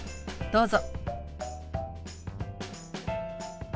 どうぞ。